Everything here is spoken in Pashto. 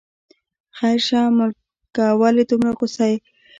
خیر شه ملکه، ولې دومره غوسه یې.